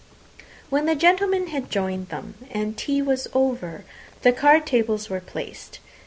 When the gentlemen had joined them, and tea was over, the card tables were placed.